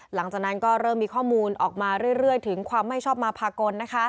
หลังจากนั้นก็เริ่มมีข้อมูลออกมาเรื่อยถึงความไม่ชอบมาพากล